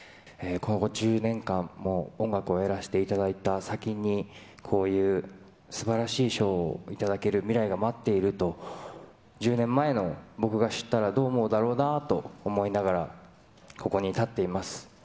今後１０年間も音楽をやらせていただいた先に、こういう、すばらしい賞を頂ける未来が待っていると、１０年前の僕が知ったらどう思うだろうなと思いながら、ここに立っています。